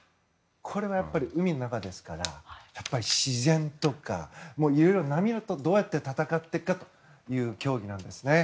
これは海の中ですからやっぱり自然とか、波とどうやって戦っていくかという競技なんですね。